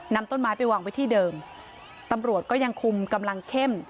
นำต้นไม้ไปวางไว้ที่เดิมตำรวจก็ยังคุมกำลังเข้ม